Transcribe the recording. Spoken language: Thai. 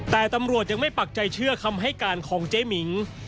แต่ตำรวจยังไม่ปักใจเชื่อคำให้การของเจ๊มิง